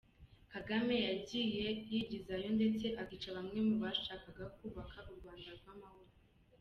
Kagame yagiye yigizayo ndetse akica bamwe bashakaga kubaka u Rwanda rw’amahoro.